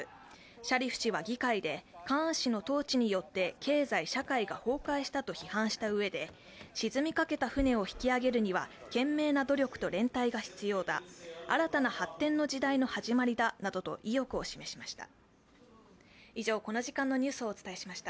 シャリフ氏は議会でカーン氏の統治によって経済、社会が崩壊したと批判したうえで沈みかけた船を引き揚げるには懸命な努力と連帯が必要だ、新たな発展の時代の始まりだなどと意欲を示しました。